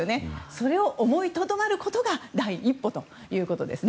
それを思いとどまることが第一歩ということですね。